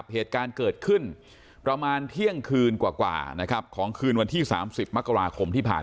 เหตุการณ์เกิดขึ้นประมาณเที่ยงคืนกว่าของคืนวันที่๓๐มกค